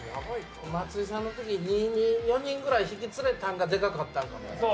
松井さんのとき４人ぐらい引き連れたんがでかかったんかね。